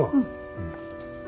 うん。